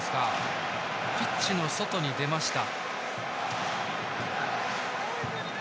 ピッチの外に出ました。